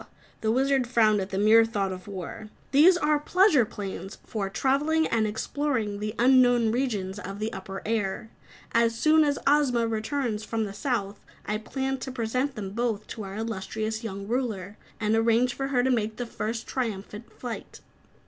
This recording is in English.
The Wizard frowned at the mere thought of war. "These are pleasure planes for travelling and exploring the unknown regions of the upper air. As soon as Ozma returns from the South, I plan to present them both to our illustrious young Ruler and arrange for her to make the first triumphant flight."